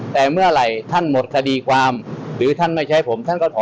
เดี๋ยวช็อค